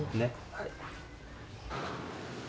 はい。